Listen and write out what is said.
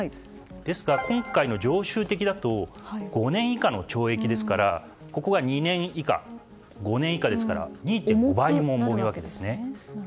ですが、今回の常習的だと５年以下の懲役ですから２年以下が５年以下ですから２．５倍も重いわけですね。